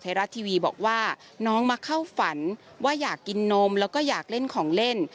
รัฐทีวีบอกว่าน้องมาเข้าฝันว่าอยากกินนมแล้วก็อยากเล่นของเล่น